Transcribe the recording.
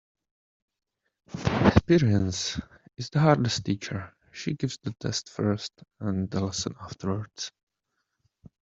Experience is the hardest teacher. She gives the test first and the lesson afterwards.